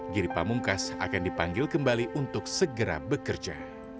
giri pamungkas akan dipanggil kembali untuk segera bekerja